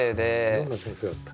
どんな先生だった？